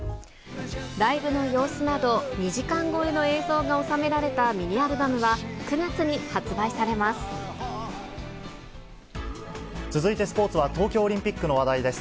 ライブの様子など、２時間超えの映像が収められたミニアルバムは、９月に発売されま続いてスポーツは東京オリンピックの話題です。